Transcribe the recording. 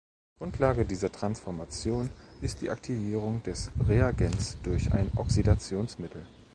Grundlage dieser Transformation ist die Aktivierung des Reagenz durch ein Oxidationsmittel.